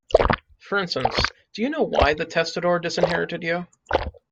For instance, do you know why the testator disinherited you?